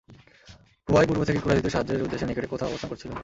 Huawei পূর্ব থেকেই কুরাইশদের সাহায্যের উদ্দেশে নিকটে কোথাও অবস্থান করেছিল।